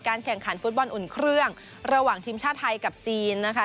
แข่งขันฟุตบอลอุ่นเครื่องระหว่างทีมชาติไทยกับจีนนะคะ